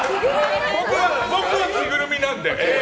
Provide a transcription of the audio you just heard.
僕は着ぐるみなので。